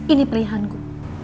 ini pilihan ku